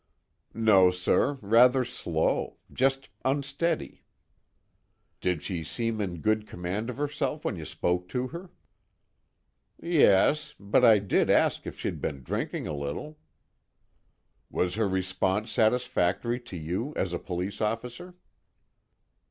"No, sir, rather slow. Just unsteady." "Did she seem in good command of herself when you spoke to her?" "Yes, but I did ask if she'd been drinking a little." "Was her response satisfactory to you as a police officer?"